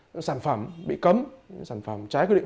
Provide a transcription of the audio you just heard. những sản phẩm bị cấm những sản phẩm trái quy định